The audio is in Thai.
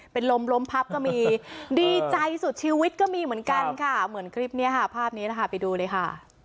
เป็นลมล้มพับก็มีดีใจสุดชีวิตก็มีเหมือนกันค่ะเหมือนคลิปนี้ค่ะภาพนี้นะคะไปดูเลยค่ะ